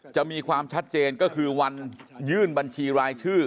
จะมีความชัดเจนก็คือวันยื่นบัญชีรายชื่อ